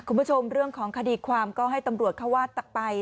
คุณผู้ชมเรื่องของคดีความก็ให้ตำรวจเข้าวาดตักไป